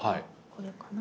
これかな？